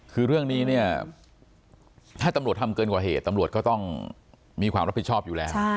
คือเรื่องนี้เนี่ยถ้าตำรวจทำเกินกว่าเหตุตำรวจก็ต้องมีความรับผิดชอบอยู่แล้ว